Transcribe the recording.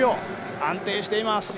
安定しています。